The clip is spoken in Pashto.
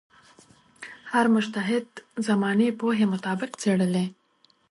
هر مجتهد زمانې پوهې مطابق څېړلې.